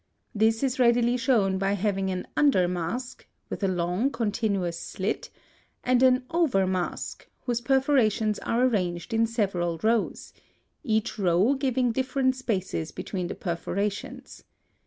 This is readily shown by having an under mask, with a long, continuous slit, and an over mask whose perforations are arranged in several rows, each row giving different spaces between the perforations.